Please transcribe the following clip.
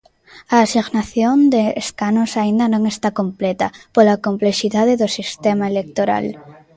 A asignación de escanos aínda non está completa, pola complexidade do sistema electoral.